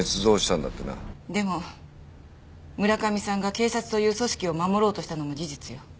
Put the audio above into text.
でも村上さんが警察という組織を守ろうとしたのも事実よ。